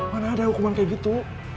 mana ada hukuman kayak gitu